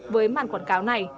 với màn quảng cáo này